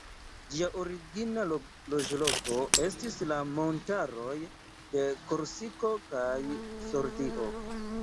Ĝia origina loĝloko estis la montaroj de Korsiko kaj Sardio.